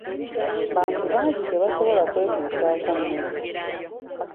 Bantu bangi tebasobola kwetuusaako mmere.